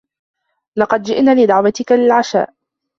لقد جئنا لدعوتك للعشاء.